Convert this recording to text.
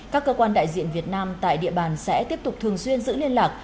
các cơ quan đại diện việt nam tại địa bàn sẽ tiếp tục thường xuyên giữ liên lạc